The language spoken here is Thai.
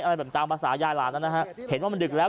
อะไรแบบตามภาษายายหลานแล้วนะฮะเห็นว่ามันดึกแล้ว